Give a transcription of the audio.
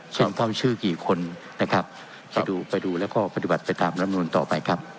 เชิญเข้าชื่อกี่คนนะครับไปดูไปดูแล้วก็ปฏิบัติไปตามรัฐมนุนต่อไปครับ